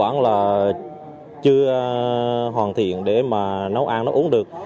cơ bản là chưa được hoàn thiện để mà nấu ăn nấu uống được